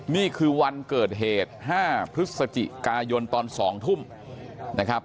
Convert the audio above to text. นี่คือวันเกิดเหตุ๕พฤศจิกายนตอน๒ทุ่มนะครับ